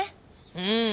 うん。